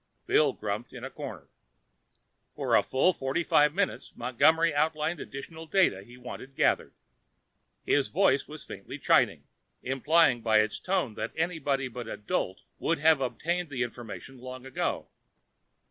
Bill grumped in a corner. For a full forty five minutes, Montgomery outlined additional data he wanted gathered. His voice was faintly chiding, implying by its tone that anybody but a dolt would have obtained the information long ago.